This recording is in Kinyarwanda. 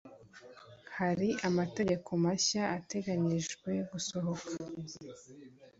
Hari amategeko mashya ateganyijwe gusohoka